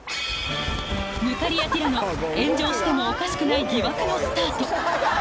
ヌカリヤティラノ炎上してもおかしくない疑惑のスタート